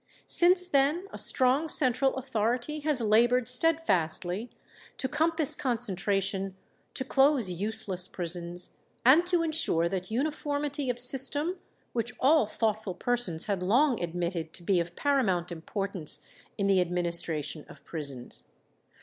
Since then a strong central authority has laboured steadfastly to compass concentration, to close useless prisons, and to insure that uniformity of system which all thoughtful persons had long admitted to be of paramount importance in the administration of prisons.